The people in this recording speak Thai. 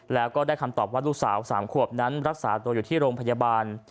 แล้วก็ได้คำตอบว่าลูกสาว๓ขวบนั้นรักษาตัวอยู่ที่โรงพยาบาล